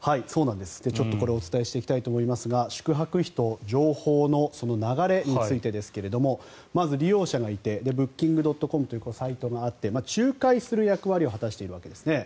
ちょっとこれをお伝えしていきたいと思いますが宿泊費と情報の流れについてですがまず利用者がいてブッキングドットコムというサイトがあって仲介する役割を果たしているわけですね。